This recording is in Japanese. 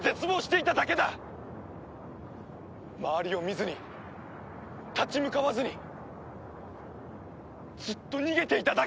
周りを見ずに立ち向かわずにずっと逃げていただけだ！